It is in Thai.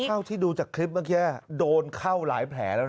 เท่าที่ดูจากคลิปเมื่อกี้โดนเข้าหลายแผลแล้วนะ